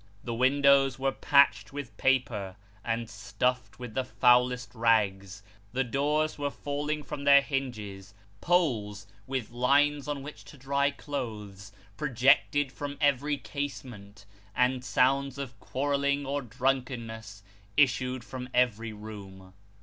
The windows were patched with paper, and stuffed with the foulest rags ; the doors were falling from their hinges ; poles with lines on which to dry clothes, projected from every casement, and sounds of quarrelling or drunkenness issued from every room.